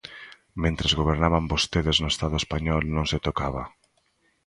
Mentres gobernaban vostedes no Estado español non se tocaba.